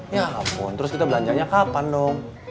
ya ampun terus kita belanjanya kapan dong